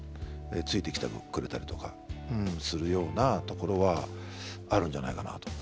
付いてきてくれたりとかするようなところはあるんじゃないかなと思って。